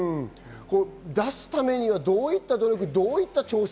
出すためにはどういった努力をしましたか？